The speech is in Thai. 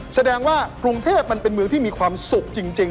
แสดงว่ากรุงเทพมันเป็นเมืองที่มีความสุขจริง